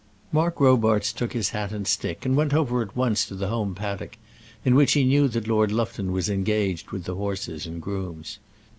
Mark Robarts took his hat and stick and went over at once to the home paddock, in which he knew that Lord Lufton was engaged with the horses and grooms.